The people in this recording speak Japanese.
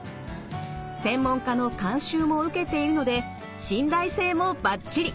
専門家の監修も受けているので信頼性もバッチリ！